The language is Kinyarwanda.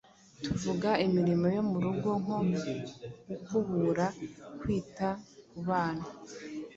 Twavuga imirimo yo mu rugo, nko gukubura, kwita ku bana,